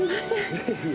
いえいえ。